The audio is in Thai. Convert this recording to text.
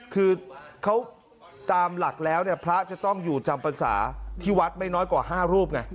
คือเขาตามหลักแล้วเนี่ยพระจะต้องอยู่จำภาษาที่วัดไม่น้อยกว่า๕รูปไง